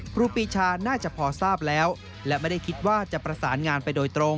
ครูปีชาน่าจะพอทราบแล้วและไม่ได้คิดว่าจะประสานงานไปโดยตรง